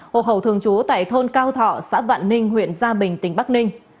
hồ hậu thường chú tại thôn cao thọ xã vạn ninh huyện gia bình tỉnh bắc ninh